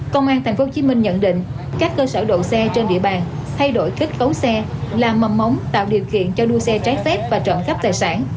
công an tp hcm nhận định các cơ sở đổ xe trên địa bàn thay đổi kích cấu xe là mầm mống tạo điều kiện cho đua xe trái phép và trộm cắp tài sản